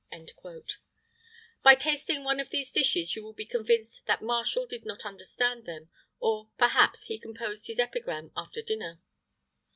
[IX 33] By tasting one of these dishes you will be convinced that Martial did not understand them; or, perhaps, he composed his epigram after dinner.